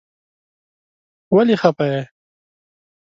ولی خپه یی ؟